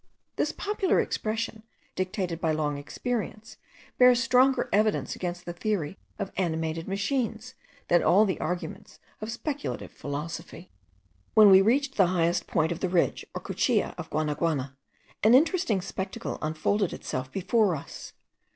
This popular expression, dictated by long experience, bears stronger evidence against the theory of animated machines, than all the arguments of speculative philosophy. When we had reached the highest point of the ridge or cuchilla of Guanaguana, an interesting spectacle unfolded itself before us.